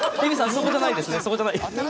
そこじゃないです。